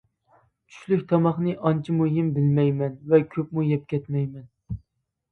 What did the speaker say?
چۈشلۈك تاماقنى ئانچە مۇھىم بىلمەيمەن، ۋە كۆپمۇ يەپ كەتمەيمەن.